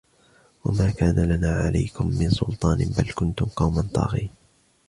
وما كان لنا عليكم من سلطان بل كنتم قوما طاغين